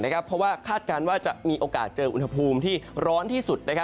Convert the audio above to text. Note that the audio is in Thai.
เพราะว่าคาดการณ์ว่าจะมีโอกาสเจออุณหภูมิที่ร้อนที่สุด